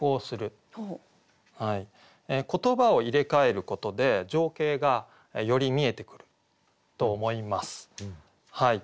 言葉を入れ替えることで情景がより見えてくると思います。